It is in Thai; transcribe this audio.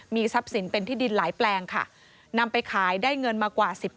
มีทรัพย์สินเป็นที่ดินหลายแปลงค่ะนำไปขายได้เงินมากว่า๑๐